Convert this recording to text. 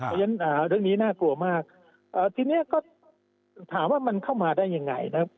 เพราะฉะนั้นเรื่องนี้น่ากลัวมากทีนี้ก็ถามว่ามันเข้ามาได้ยังไงนะครับ